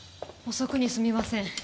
遅くにすみません。